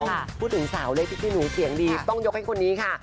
คุณกำลังพูดถึงสาวเลขพิกพี่หนูเสียงดีต้องยกให้คนนี้ค่ะ